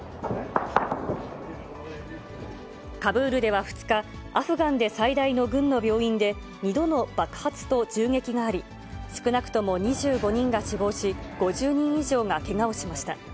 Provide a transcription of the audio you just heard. カブールでは２日、アフガンで最大の軍の病院で２度の爆発と銃撃があり、少なくとも２５人が死亡し、５０人以上がけがをしました。